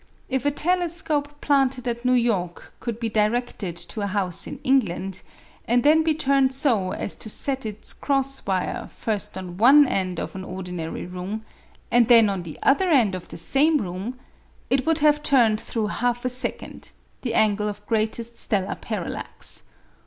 If a telescope planted at New York could be directed to a house in England, and be then turned so as to set its cross wire first on one end of an ordinary room and then on the other end of the same room, it would have turned through half a second, the angle of greatest stellar parallax.